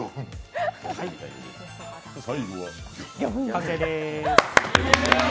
完成です。